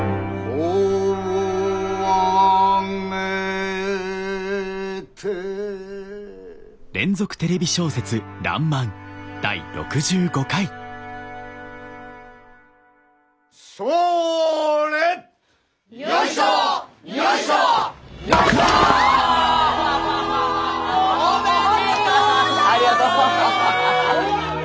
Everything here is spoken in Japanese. おめでとうございます！